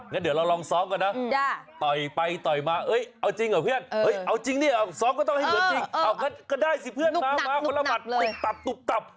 งั้นเดี๋ยวเราลองซ้อมก่อนนะ